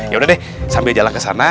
ya udah deh sambil jalan kesana